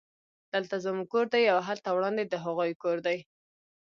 دلته زموږ کور دی او هلته وړاندې د هغوی کور دی